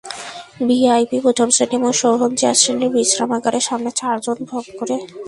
VIP, প্রথম শ্রেণি এবং শোভন চেয়ার শ্রেণির বিশ্রামাগারের সামনে চারজন ভবঘুরে বসে ছিল।